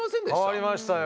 変わりましたよ。